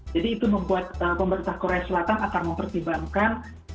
jadi itu membuat pemerintah korea selatan akan mempertimbangkan